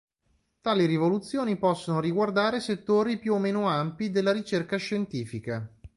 Tali rivoluzioni possono riguardare settori più o meno ampi della ricerca scientifica.